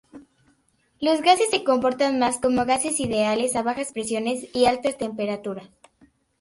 Los gases se comportan más como gases ideales a bajas presiones y altas temperaturas.